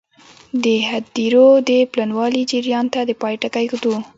د هدیرو د پلنوالي جریان ته د پای ټکی ږدو.